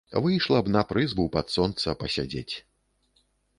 Выйшла б на прызбу пад сонца пасядзець.